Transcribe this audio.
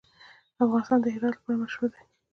افغانستان د هرات لپاره مشهور دی.